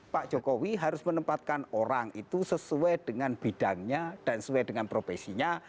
pak jokowi harus menempatkan orang itu sesuai dengan bidangnya dan sesuai dengan profesinya